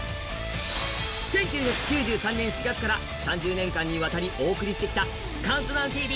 １９９３年４月から３０年間にわたりお送りしてきた「ＣＤＴＶ」